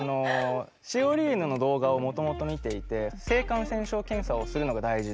シオリーヌの動画をもともと見ていて性感染症検査をするのが大事だと。